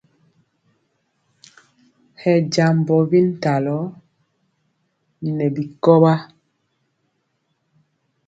Hɛ jambɔ bintalɔ nɛ bikɔwa.